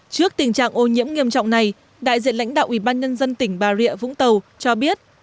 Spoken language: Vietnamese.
trước tình trạng ô nhiễm nghiêm trọng này đại diện lãnh đạo ubnd tỉnh bà rịa vũng tàu cho biết